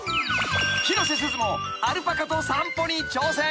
［広瀬すずもアルパカと散歩に挑戦］